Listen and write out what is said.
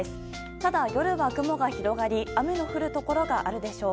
ただ、夜は雲が広がり雨の降るところがあるでしょう。